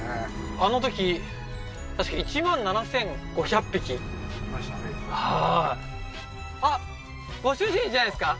あの時確か１万７５００匹いましたはいあっご主人じゃないですか？